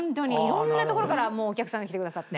色んなところからもうお客さんが来てくださって。